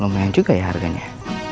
lumayan juga ya harganya